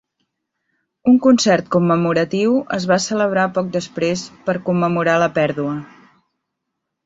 Un concert commemoratiu es va celebrar poc després per commemorar la pèrdua.